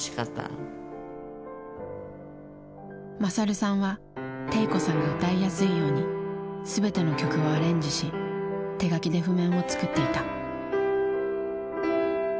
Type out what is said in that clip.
勝さんは悌子さんが歌いやすいように全ての曲をアレンジし手書きで譜面を作っていた。